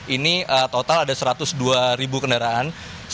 ini total ada satu ratus dua ribu kendaraan